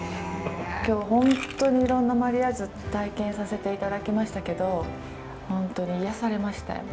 今日本当にいろんなマリアージュ体験させていただきましたけど本当に癒やされました